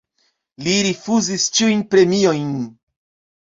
Li rifuzis ĉiujn premiojn.